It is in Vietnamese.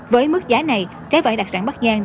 với mức giá này trái vải đặc sản bắc giang đạt được một đồng